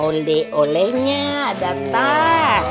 oleh olehnya ada tas